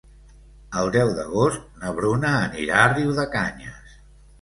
El deu d'agost na Bruna anirà a Riudecanyes.